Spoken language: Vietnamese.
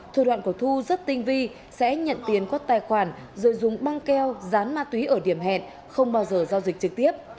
thủ đoạn của thu rất tinh vi sẽ nhận tiền quất tài khoản rồi dùng băng keo dán ma túy ở điểm hẹn không bao giờ giao dịch trực tiếp